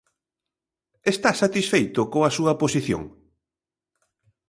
Está satisfeito coa súa posición?